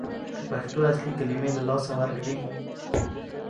که پښتو اصلي کلمې له لاسه ورکړي